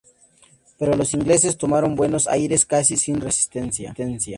Pero los ingleses tomaron Buenos Aires casi sin resistencia.